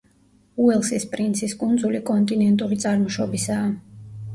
უელსის პრინცის კუნძული კონტინენტური წარმოშობისაა.